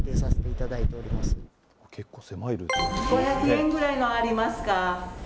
５００円ぐらいのありますか？